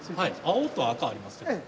青と赤ありますけども。